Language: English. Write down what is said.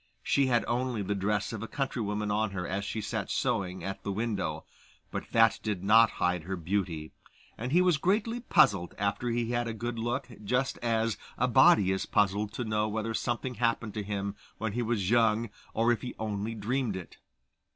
She had only the dress of a countrywoman on her as she sat sewing at the window, but that did not hide her beauty, and he was greatly puzzled after he had a good look, just as a body is puzzled to know whether something happened to him when he was young or if he only dreamed it.